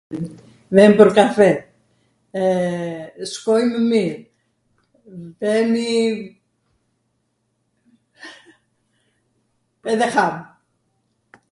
Vem pwr kafe. Shkojmw mir. Vemi edhe ham.